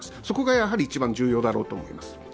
そこがやはり一番重要だろうと思います。